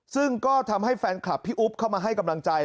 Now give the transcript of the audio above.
ซึ่งก็ทำให้แฟนคลับพี่อุ๊บเข้ามาให้กำลังใจ